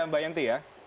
mbak yanti ya